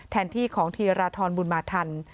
แทนที่ของธีราธรบุรมาธรรม